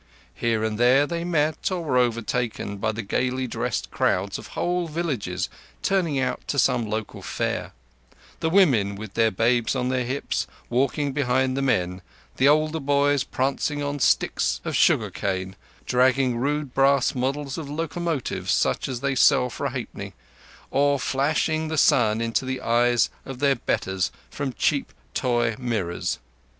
Here and there they met or were overtaken by the gaily dressed crowds of whole villages turning out to some local fair; the women, with their babes on their hips, walking behind the men, the older boys prancing on sticks of sugar cane, dragging rude brass models of locomotives such as they sell for a halfpenny, or flashing the sun into the eyes of their betters from cheap toy mirrors.